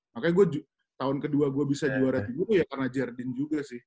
makanya gue tahun kedua gue bisa juara tiga tuh ya karena jardine juga sih